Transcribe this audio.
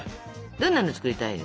どんなの作りたいですか？